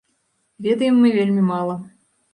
Ведаем мы вельмі мала.